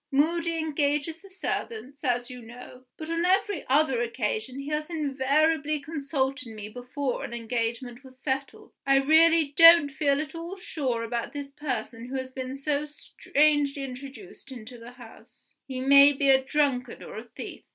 Moody engages the servants, as you know; but on every other occasion he has invariably consulted me before an engagement was settled. I really don't feel at all sure about this person who has been so strangely introduced into the house he may be a drunkard or a thief.